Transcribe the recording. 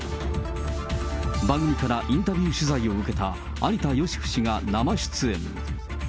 番組からインタビュー取材を受けた、有田芳生氏が生出演。